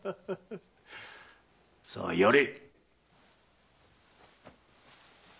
さあ殺れ！